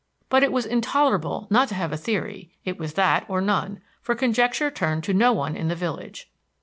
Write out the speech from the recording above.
But it was intolerable not to have a theory; it was that or none, for conjecture turned to no one in the village.